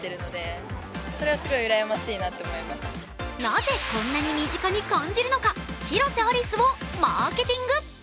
なぜ、こんなに身近に感じるのか広瀬アリスをマーケティング！